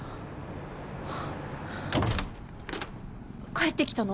帰ってきたの？